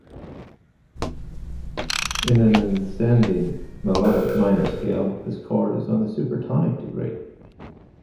In an ascending melodic minor scale, this chord is on the supertonic degree.